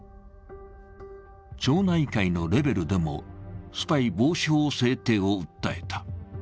町内会のレベルでもスパイ防止法制定を訴えた。